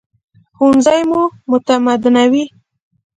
ښوونځی مو متمدنوي